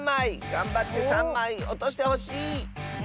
がんばって３まいおとしてほしい！